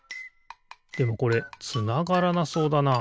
でもこれつながらなそうだな。